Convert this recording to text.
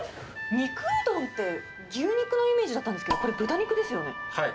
肉うどんって牛肉のイメージだったんですけど、これ、はい。